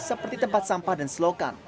seperti tempat sampah dan selokan